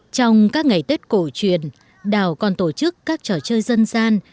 trong các ngày tết cổ truyền đảo còn tổ chức các trò chơi dân gian